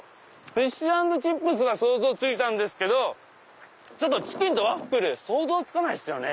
フィッシュ＆チップスは想像ついたんですけどチキンとワッフルと想像つかないですよね。